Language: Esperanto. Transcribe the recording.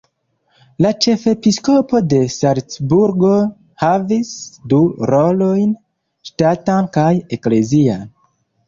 La ĉefepiskopo de Salcburgo havis du rolojn: ŝtatan kaj eklezian.